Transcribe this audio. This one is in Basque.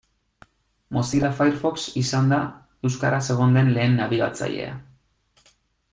Mozilla Firefox izan da euskaraz egon den lehen nabigatzailea.